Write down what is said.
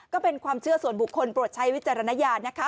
ก็เป็นความเชื่อส่วนบุคคลโปรดใช้วิจารณญาณนะคะ